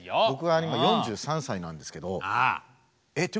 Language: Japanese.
僕が今４３歳なんですけど。